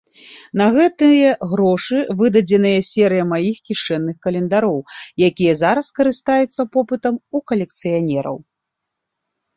На гэтыя грошы выдадзена серыя маіх кішэнных календароў, якія зараз карыстаюцца попытам у калекцыянераў.